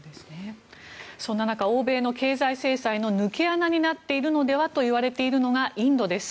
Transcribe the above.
そんな中欧米の経済制裁の抜け穴になっているのではといわれているのがインドです。